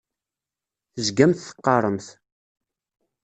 Tezgamt teqqaremt.